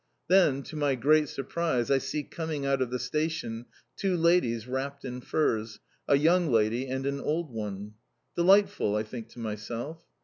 Then, to my great surprise, I see coming out of the station two ladies wrapped in furs, a young lady and an old one. "Delightful," I think to myself.